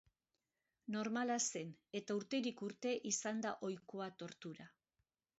Normala zen, eta urterik urte izan da ohikoa tortura.